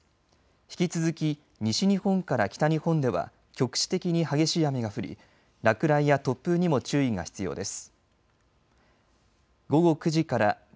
引き続き西日本から北日本では局地的に激しい雨が降り落雷や突風にも注意が必要です。